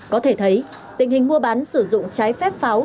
có thể thấy tình hình mua bán sử dụng trái phép pháo